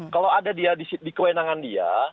kalau ada dia di kewenangan dia